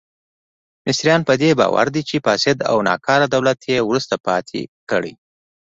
مصریان په دې باور دي چې فاسد او ناکاره دولت یې وروسته پاتې کړي.